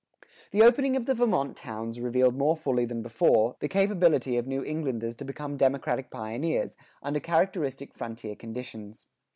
The opening of the Vermont towns revealed more fully than before, the capability of New Englanders to become democratic pioneers, under characteristic frontier conditions.